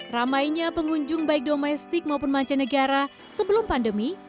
ramainya pengunjung baik domestik maupun mancanegara sebelum pandemi